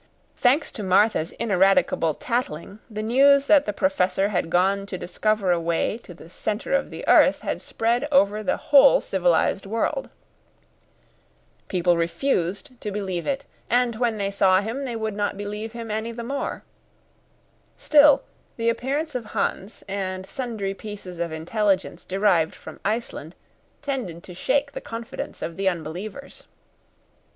Thanks to Martha's ineradicable tattling, the news that the Professor had gone to discover a way to the centre of the earth had spread over the whole civilised world. People refused to believe it, and when they saw him they would not believe him any the more. Still, the appearance of Hans, and sundry pieces of intelligence derived from Iceland, tended to shake the confidence of the unbelievers.